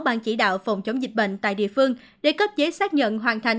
ban chỉ đạo phòng chống dịch bệnh tại địa phương để cấp giấy xác nhận hoàn thành